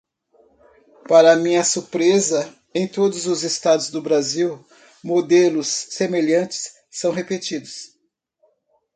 Para minha surpresa, em todos os estados do Brasil, modelos semelhantes são repetidos.